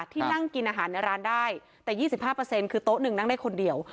ที่นั่งกินอาหารในร้านได้แต่ยี่สิบห้าเปอร์เซ็นต์คือโต๊ะหนึ่งนั่งได้คนเดียว